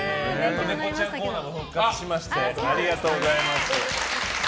ネコちゃんコーナーも復活しましてありがとうございます。